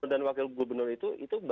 dan wakil gubernur itu itu